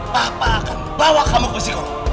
bapak akan bawa kamu ke psikolog